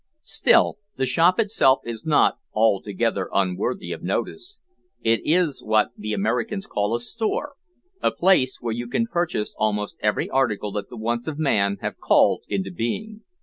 Still the shop itself is not altogether unworthy of notice. It is what the Americans call a store a place where you can purchase almost every article that the wants of man have called into being.